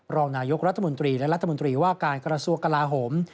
รองนายกรัฐมนตรีและรัฐมนตรีว่าการกระทรวงกลาโหม